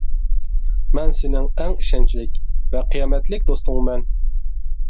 مەن سېنىڭ ئەڭ ئىشەنچلىك ۋە قىيامەتلىك دوستۇڭمەن.